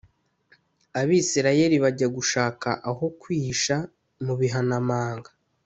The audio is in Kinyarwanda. Abisirayeli bajya gushaka aho kwihisha mu bihanamanga